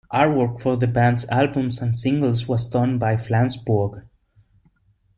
Artwork for the band's albums and singles was done by Flansburgh.